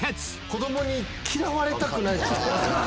子供に嫌われたくない。